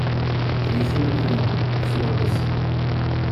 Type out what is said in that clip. Je l'ai écrite malgré moi, poussé par le destin.